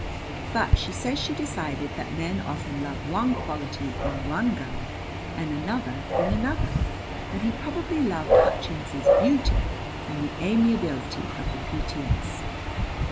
But she says she decided that men often love one quality in one girl and another in another; that he probably loved Hutchins's beauty and the amiability of the P.T.S.